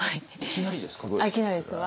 いきなりですか？